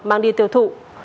mang đi tiêu thụ